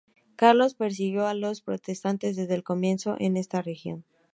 Carlos persiguió a los protestantes desde el comienzo en esta región.